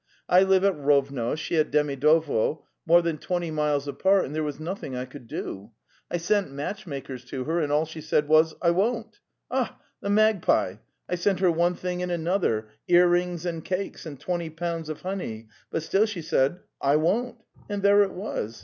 ... I live at Rovno, she at Demidovo, more than twenty miles apart, and there was nothing I could do. I sent match makers to her, and all she said was: 'I won't!' Ah, the magpie! I sent her one thing and another, earrings and cakes, and twenty pounds of honey — but still she said: 'I won't!' And there it was.